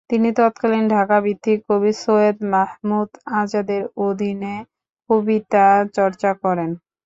তিনি তৎকালীন ঢাকা ভিত্তিক কবি সৈয়দ মাহমুদ আজাদের অধীনে কবিতা চর্চা করেন।